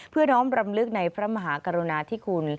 เพื่อน้องบรรมลึกในพระมหากรณาที่คุณ